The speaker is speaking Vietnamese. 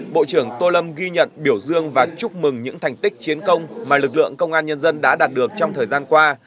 bộ trưởng tô lâm ghi nhận biểu dương và chúc mừng những thành tích chiến công mà lực lượng công an nhân dân đã đạt được trong thời gian qua